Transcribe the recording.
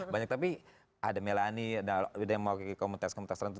banyak tapi ada melani ada yang mau komentas komentas